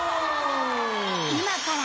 ［今から］